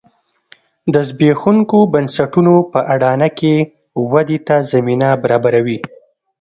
د زبېښونکو بنسټونو په اډانه کې ودې ته زمینه برابروي